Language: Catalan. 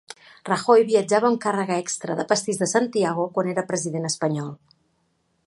Rajoy viatjava amb càrrega extra de pastís de Santiago quan era president espanyol.